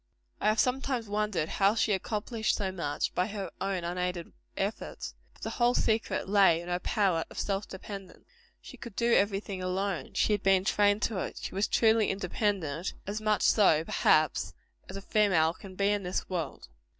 I have sometimes wondered how she accomplished so much, by her own unaided efforts. But the whole secret lay in her power of self dependence. She could do every thing alone. She had been trained to it. She was truly independent; as much so, perhaps, as a female can be in this world.